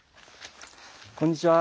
こんにちは。